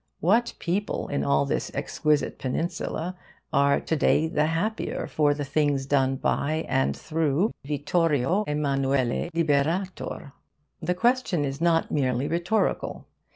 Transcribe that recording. What people in all this exquisite peninsula are to day the happier for the things done by and through Vittorio Emmanuele Liberator? The question is not merely rhetorical.